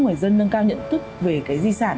người dân nâng cao nhận thức về cái di sản